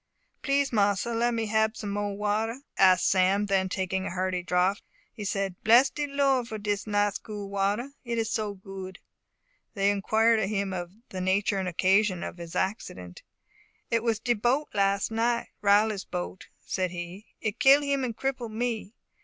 "Please mossa, let me hab some mo'e water?" Sam asked; then taking a hearty draught, he said, "Bless de Lord for dis nice cool water! It is so good!" They inquired of him the nature and occasion of his accident. "It was de boat las' night Riley's boat," said he. "It kill him and cripple me.